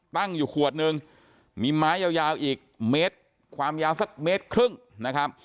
ตั้งอยู่ขวดนึงมีไม้ยาวอีกเมตรความยาวสักเมตรครึ่งนะครับ